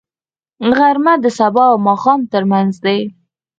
غرمه د سبا او ماښام ترمنځ دی